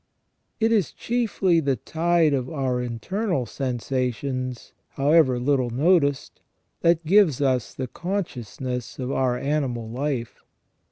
It is chiefly the tide of our internal sensations, however little noticed, that gives us the consciousness of our animal life.